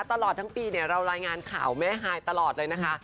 ตลอดทั้งปีเนี่ยเรารายงานข่าวแม่ฮายตลอดเลยนะคะ